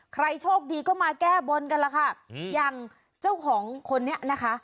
ใครโชคดีก็มาแก้บนกันล่ะค่ะอย่างเจ้าของคนนี้นะคะ